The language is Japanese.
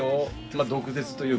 まあ毒舌というか。